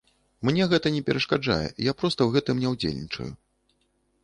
Мне гэта не перашкаджае, я проста ў гэтым не ўдзельнічаю.